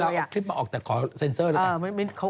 เราเอาคลิปมาออกแต่ขอเซ็นเซอร์เลยค่ะ